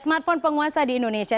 smartphone penguasa di indonesia